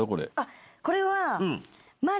これは。